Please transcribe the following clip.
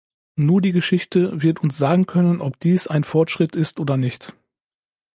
Nur die Geschichte wird uns sagen können, ob dies ein Fortschritt ist oder nicht!